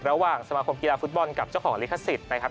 สมาคมกีฬาฟุตบอลกับเจ้าของลิขสิทธิ์นะครับ